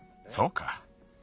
そうか。